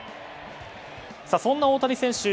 そんな大谷選手